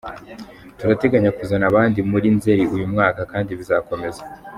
Turateganya kuzana abandi muri Nzeri uyu mwaka, kandi bizakomeza”.